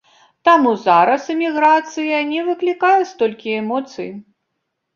Таму зараз эміграцыя не выклікае столькі эмоцый.